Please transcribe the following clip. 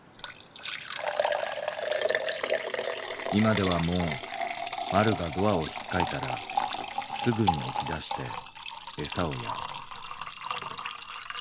「いまではもうまるがドアをひっかいたらすぐに起き出してエサをやる。